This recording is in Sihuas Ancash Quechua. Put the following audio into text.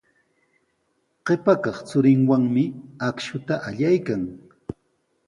Qipa kaq churinwanmi akshuta allaykan.